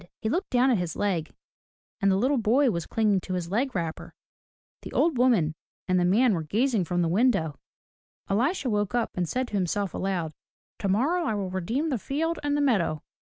'* He looked down at his leg, and the little boy was clinging to his leg wrapper. The old woman and the man were gazing from the window. Elisha woke up and said to himself aloud, "Tomorrow I will redeem the field and the meadow.